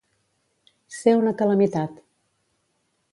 Ser una calamitat.